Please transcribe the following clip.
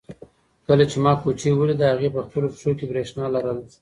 کله چې ما کوچۍ ولیده هغې په خپلو پښو کې برېښنا لرله.